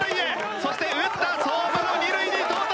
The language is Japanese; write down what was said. そして打った相馬も二塁に到達！